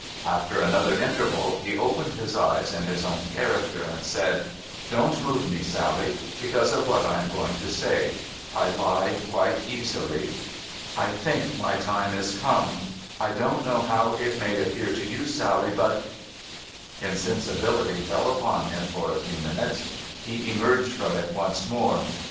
After another interval, he opened his eyes in his own character, and said :* Don't move me, Sally, because of what I am going to say ; I lie quite easily. I think my time is come. I don't know how it may appear to you, Sally, but ' Insensibility fell upon him for a few minutes ; he emerged from it once more.